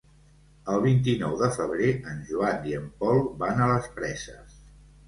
El vint-i-nou de febrer en Joan i en Pol van a les Preses.